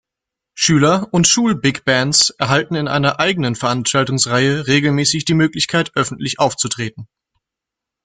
Schüler- und Schul-Big Bands erhalten in einer eigenen Veranstaltungsreihe regelmäßig die Möglichkeit öffentlich aufzutreten.